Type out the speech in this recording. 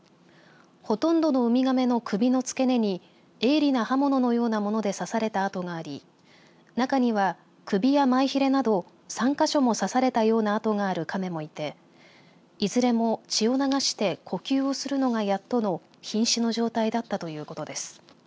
ほとんどのウミガメの首の付け根に鋭利な刃物のようなもので刺された痕があり中には首や前ひれなど３か所も刺されたような痕があるカメもいて、いずれも血を流して呼吸をするのがやっとのひん死の状態だったということです。